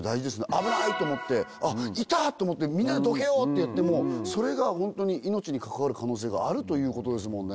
危ないと思ってあっいた！と思ってみんなでどけようってやってもそれがホントに命に関わる可能性があるということですもんね